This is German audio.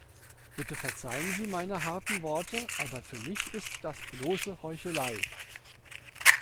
Bitte verzeihen Sie meine harten Worte, aber für mich ist das bloße Heuchelei.